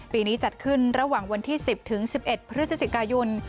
ปีนี้จัดขึ้นระหว่างวันที่สิบถึงสิบเอ็ดพฤศจิกายุ่น